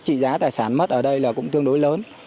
trị giá tài sản mất ở đây là cũng tương đối lớn